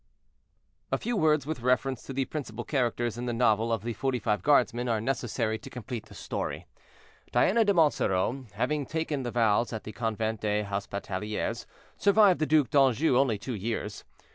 A few words with reference to the principal characters in the novel of the "Forty five Guardsmen" are necessary to complete the story. Diana de Monsoreau, having taken the vows at the Convent des Hospitalières, survived the Duc d'Anjou only two years.